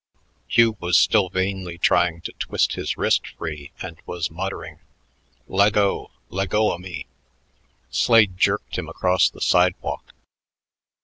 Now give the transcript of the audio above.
Hugh was still vainly trying to twist his wrist free and was muttering, "Leggo, leggo o' me." Slade jerked him across the sidewalk.